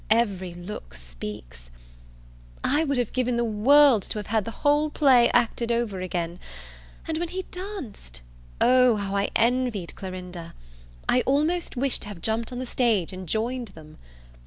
every look speaks! I would have given the world to have had the whole play acted over again. And when he danced O, how I envied Clarinda! I almost wished to have jumped on the stage and joined them.